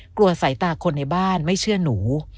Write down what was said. กลัวใส่หาคนในบ้านไม่เชื่อหนู